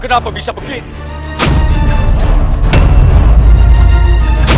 kenapa bisa begini